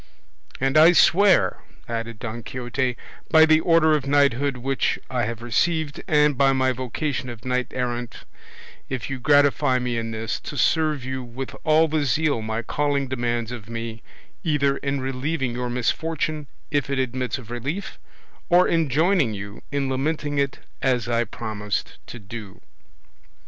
And I swear," added Don Quixote, "by the order of knighthood which I have received, and by my vocation of knight errant, if you gratify me in this, to serve you with all the zeal my calling demands of me, either in relieving your misfortune if it admits of relief, or in joining you in lamenting it as I promised to do."